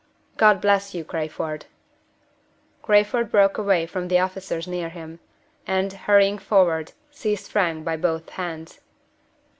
"God bless you, Crayford!" Crayford broke away from the officers near him; and, hurrying forward, seized Frank by both hands.